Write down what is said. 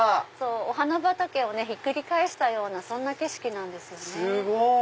お花畑をひっくり返したような景色なんですよね。